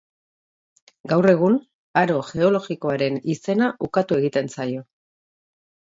Gaur egun, aro geologikoaren izena ukatu egiten zaio.